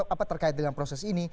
apa terkait dengan proses ini